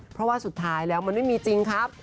เพราะว่าสุดท้ายแล้วมันไม่มีจริงครับ